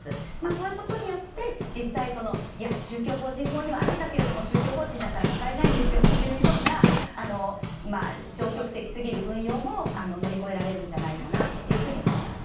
そういうことによって、実際宗教法人法にはあるんだけれども宗教法人だから使えないんですというような消極的すぎる運用も乗り越えられるんじゃないかと思います。